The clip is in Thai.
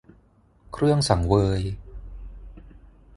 เครื่องสังเวย